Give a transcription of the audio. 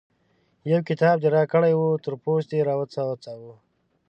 يو کتاب دې راکړی وو؛ تر پوست دې راوڅڅاوو.